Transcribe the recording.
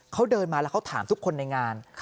เขาเดินมาแล้วเขาถามทุกคนในงาน